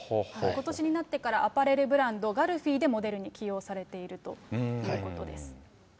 ことしになってからアパレルブランド、ガルフィーでモデルに起用されているということです。